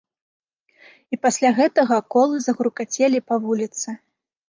І пасля гэтага колы загрукацелі па вуліцы.